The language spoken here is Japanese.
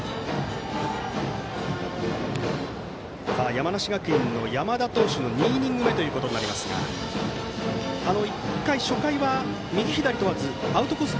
山梨学院の山田投手の２イニング目となりますが初回は右左問わずアウトコース